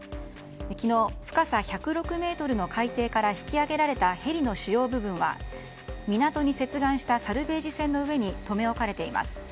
昨日、深さ１０６ｍの海底から引き揚げられたヘリの主要部分は港に接岸されたサルベージ船の上に留め置かれています。